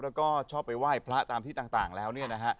แล้วก็ชอบไปไหว้พระตามที่ต่างแล้วเนี่ยนะฮะ